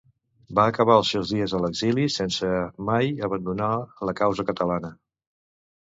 Va acabar els seus dies a l'exili sense mai abandonar la causa catalana.